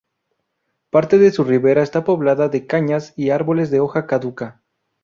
Parte de su ribera está poblada de cañas y árboles de hoja caduca.